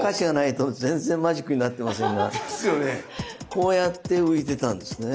こうやって浮いてたんですね。